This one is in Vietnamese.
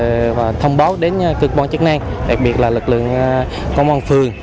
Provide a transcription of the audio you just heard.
để người dân kịp thời thông báo đến cơ quan chức năng đặc biệt là lực lượng công an phường